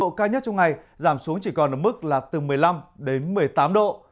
cao nhất trong ngày giảm xuống chỉ còn ở mức là từ một mươi năm đến một mươi tám độ